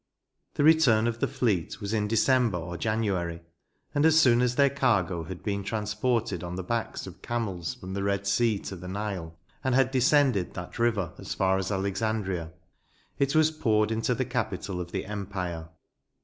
The return of the fleet was in December or January, and as soon as their cargo had been transported on the backs of camels from the Red Sea to the Nile, and had descended that river as far as Alexandria, 112 NOTES. it waa poured into the capital of the empire.